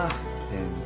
先生。